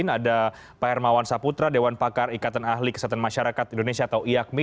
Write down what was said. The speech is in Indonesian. ada pak hermawan saputra dewan pakar ikatan ahli kesehatan masyarakat indonesia atau iakmi